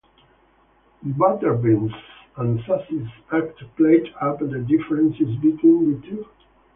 Butterbeans and Susie's act played up the differences between the two.